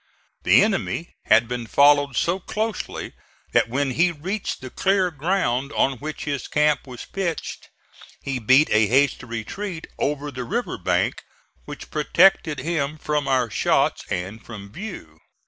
The enemy had been followed so closely that when he reached the clear ground on which his camp was pitched he beat a hasty retreat over the river bank, which protected him from our shots and from view.